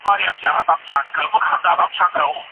په وروسته پاته هېوادونو کي د ټکنالوژۍ نشتوالی د صنعت سرعت کموي.